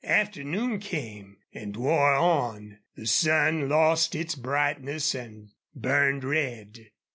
Afternoon came and wore on. The sun lost its brightness and burned red.